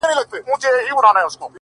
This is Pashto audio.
خدای چي و کور ته يو عجيبه منظره راوړې _